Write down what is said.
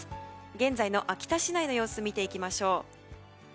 現在の秋田市内の様子見ていきましょう。